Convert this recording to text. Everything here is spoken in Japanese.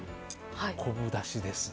昆布だしですね。